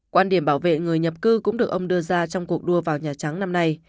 quan điểm bảo vệ người nhập cư cũng được ông đưa ra trong cuộc đua vào nhà trắng năm nay